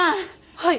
はい。